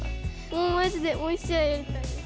もうマジでもう１試合やりたいです。